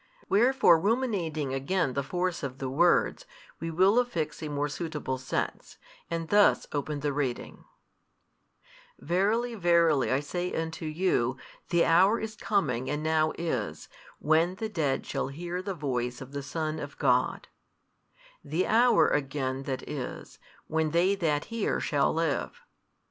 Wherefore ruminating again the force of the words, we will affix a more suitable sense, and thus open the reading: |271 Verily verily I say unto you, the hour is coming and now is, when the dead shall hear the Voice of the Son of God; the hour again that is, when they that hear shall live.